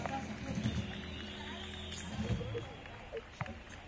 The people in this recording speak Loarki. مني ھووا دئي تو سھي ھي